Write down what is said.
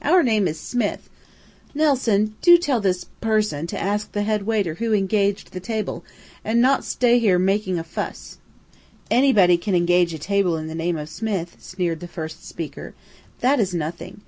"Our name is Smith. Nelson, do tell this person to ask the head waiter who engaged the table, and not stay here making a fuss." "Anybody can engage a table in the name of Smith!" sneered the first speaker. "That is nothing.